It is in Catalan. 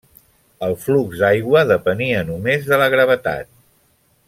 El flux d'aigua depenia només de la gravetat.